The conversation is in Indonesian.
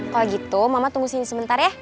kalau gitu mama tunggu sini sebentar ya